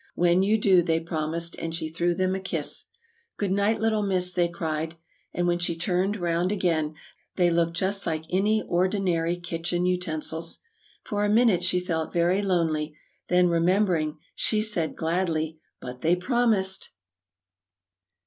"When you do," they promised, and she threw them a kiss. "Good night, little Miss," they cried; and when she turned round again, they looked just like any or din ary kitchen utensils. For a minute she felt very lonely; then, remembering, she said gladly, "But they promised!"